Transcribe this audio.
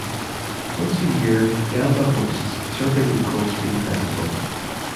Once a year Yamba hosts "Surfing The Coldstream Festival".